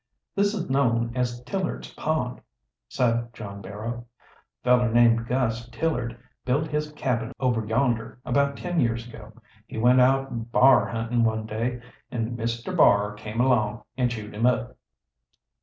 "This is known as Tillard's Pond," said John Barrow. "Feller named Gus Tillard built his cabin over yonder, about ten years ago. He went out bar huntin' one day, and Mr. Bar came along and chewed him up."